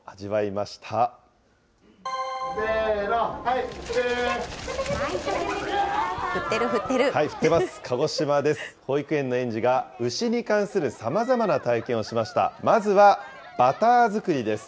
まずはバター作りです。